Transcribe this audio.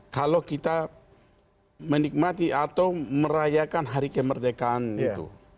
kalau kita menikmati atau merayakan hari kemerdekaan itu